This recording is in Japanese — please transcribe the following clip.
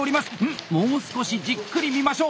もう少しじっくり見ましょう。